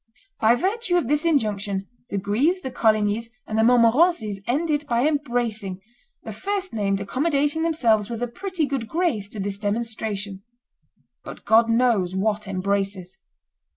By virtue of this injunction, the Guises, the Colignies, and the Montmorencies ended by embracing, the first named accommodating themselves with a pretty good grace to this demonstration: "but God knows what embraces!"